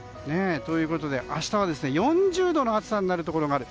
ということで明日は４０度の暑さになるところがある。